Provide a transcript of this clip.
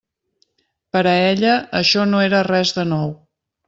Per a ella això no era res de nou.